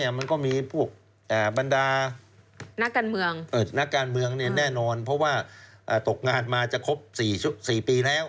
มันก็มีพวกบรรดานักการเมืองนักการเมืองแน่นอนเพราะว่าตกงานมาจะครบ๔ปีแล้ว